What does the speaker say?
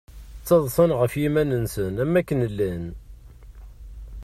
Ttaḍsan ɣef yiman-nsen amek akken llan.